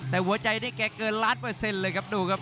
แต่หัวใจนี่แกเกินล้านเปอร์เซ็นต์เลยครับดูครับ